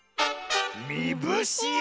「みぶしあ」？